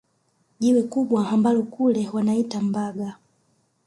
Jiwe kubwa ambalo kule wanaita Mbaga